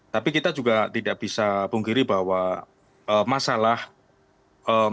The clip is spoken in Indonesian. tapi kita juga tidak bisa punggiri bahwa masalah di pemerintahan di pemerintahan di pemerintahan ini